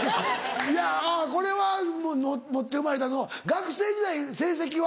いやこれは持って生まれた学生時代成績は？